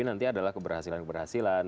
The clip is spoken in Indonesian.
nanti adalah keberhasilan keberhasilan